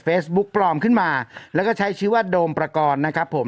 ปลอมขึ้นมาแล้วก็ใช้ชื่อว่าโดมประกอบนะครับผม